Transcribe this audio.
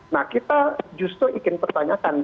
nah kita justru ingin pertanyakan